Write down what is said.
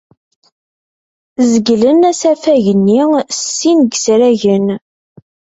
Zeglen asafag-nni s sin n yisragen.